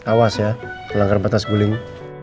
awas ya melanggar batas guling